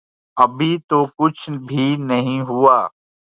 ابھی تو کچھ بھی نہیں ہوا۔